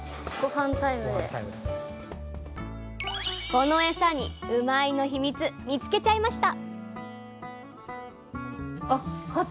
このエサにうまいッ！のヒミツ見つけちゃいました！